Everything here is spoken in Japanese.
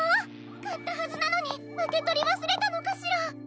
かったはずなのにうけとりわすれたのかしら！？